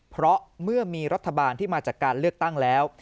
เพราะเมื่อมีรัฐบาลที่มาจากการเลือกตั้งแล้ว